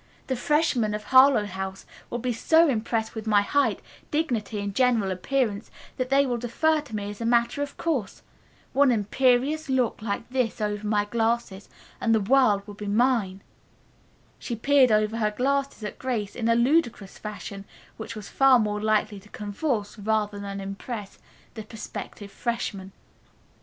"The freshmen of Harlowe House will be so impressed with my height, dignity and general appearance that they will defer to me as a matter of course. One imperious look, like this, over my glasses, and the world will be mine." She peered over her glasses at Grace in a ludicrous fashion which was far more likely to convulse, rather than impress, the prospective freshmen.